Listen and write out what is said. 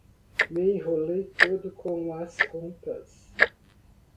Me enrolei todo com as contas.